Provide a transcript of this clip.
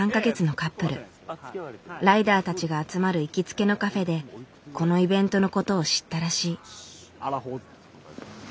ライダーたちが集まる行きつけのカフェでこのイベントのことを知ったらしい。